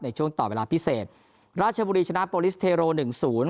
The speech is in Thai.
ในช่วงต่อเวลาพิเศษราชบุรีชนะโปรลิสเทโรหนึ่งศูนย์